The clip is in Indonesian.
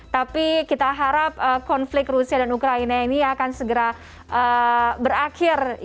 tapi kita harap konflik rusia dan ukraina ini akan segera berakhir